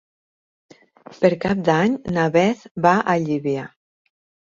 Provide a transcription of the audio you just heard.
Per Cap d'Any na Beth va a Llívia.